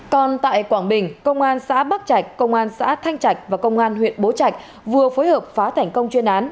còn tại quảng bình công an xã bắc trạch công an xã thanh trạch và công an huyện bố trạch vừa phối hợp phá thành công chuyên án